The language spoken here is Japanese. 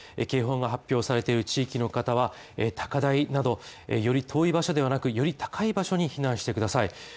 警報が発表されている地域の方は高台などより遠い場所ではなくより高い場所に避難してください